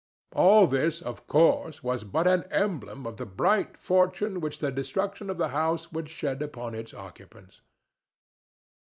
All this, of course, was but an emblem of the bright fortune which the destruction of the house would shed upon its occupants.